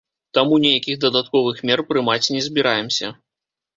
Таму нейкіх дадатковых мер прымаць не збіраемся.